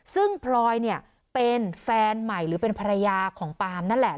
ซึ่งพลอยเนี่ยเป็นแฟนใหม่หรือเป็นภรรยาของปาล์มนั่นแหละ